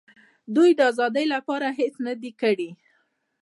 دوی د آزادۍ لپاره هېڅ نه دي کړي.